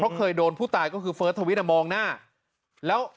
เพราะเคยโดนผู้ตายก็คือเฟิร์สทวิทย์มองหน้าแล้ว